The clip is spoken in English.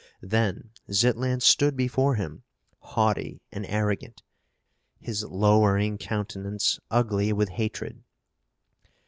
Then Zitlan stood before him, haughty and arrogant, his lowering countenance ugly with hatred.